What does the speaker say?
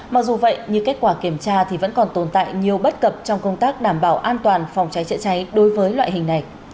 mặc dù vậy như kết quả kiểm tra thì vẫn còn tồn tại nhiều bất cập trong công tác đảm bảo an toàn phòng cháy chữa cháy đối với loại hình này